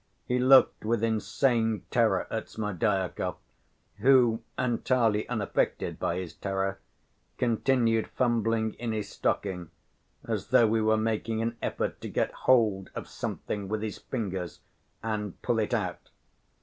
He looked with insane terror at Smerdyakov, who, entirely unaffected by his terror, continued fumbling in his stocking, as though he were making an effort to get hold of something with his fingers and pull it out.